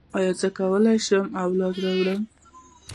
ایا زه به وکولی شم اولاد راوړم؟